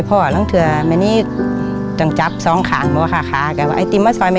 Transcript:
เพื่อเป็นพ่อผมต้องจับสองขางเพื่อนดีกว่า